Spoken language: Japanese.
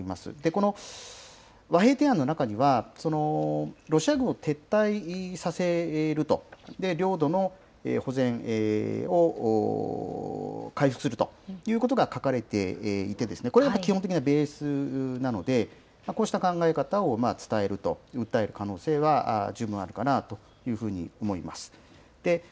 この和平提案の中には、ロシア軍を撤退させると、領土の保全を回復するということが書かれていて、これが基本的なベースなので、こうした考え方を伝えると、訴える可能性は十分あるかなというふうに思います。